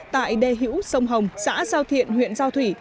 tại đề hữu sông hồng xã giao thiện huyện giao thủy